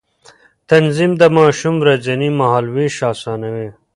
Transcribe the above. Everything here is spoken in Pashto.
تنظيم د ماشوم ورځنی مهالوېش آسانوي.